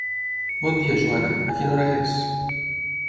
Bon dia, Joana, a quina hora és?